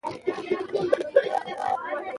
پابندي غرونه د خلکو له اعتقاداتو سره تړاو لري.